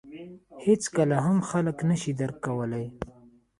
• هېڅکله هم خلک نهشي درک کولای.